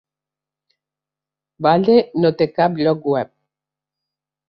Valle no té cap lloc web.